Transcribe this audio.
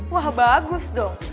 wah bagus dong